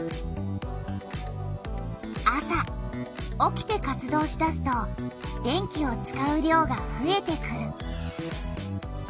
朝起きて活動しだすと電気を使う量がふえてくる。